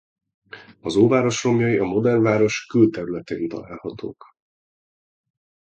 Az óváros romjai a modern város külterületén találhatók.